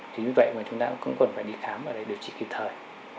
thì như vậy chúng ta cũng cần phải đi khám để điều trị kịp thời